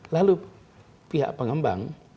lalu pihak pengembang